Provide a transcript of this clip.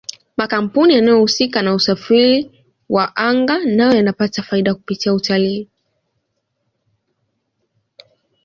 makampuni yanayohusika na usafiri wa anga nayo yanapata faida kupitia utalii